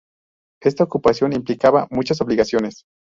Esta ocupación implicaba muchas obligaciones.